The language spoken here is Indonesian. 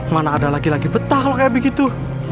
mana ada lagi lagi betah kalau kayak begitu